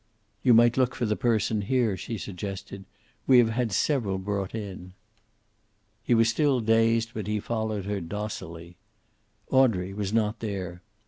"You might look for the person here," she suggested. "We have had several brought in." He was still dazed, but he followed her docilely. Audrey was not there.